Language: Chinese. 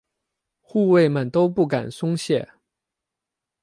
护卫们都不敢松懈。